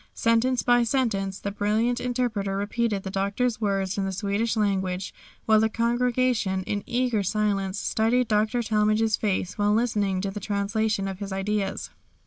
Sentence by sentence the brilliant interpreter repeated the Doctor's words in the Swedish language, while the congregation in eager silence studied Dr. Talmage's face while listening to the translation of his ideas.